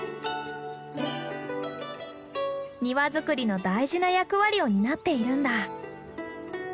庭作りの大事な役割を担っているんだ。